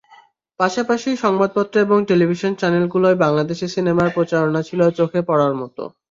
পাশাপাশি সংবাদপত্র এবং টেলিভিশন চ্যানেলগুলোয় বাংলাদেশি সিনেমার প্রচারণা ছিল চোখে পড়ার মতো।